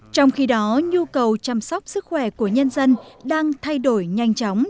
trong khi đó nhu cầu chăm sóc sức khỏe của nhân dân đang thay đổi nhanh chóng